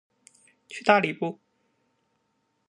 去大理不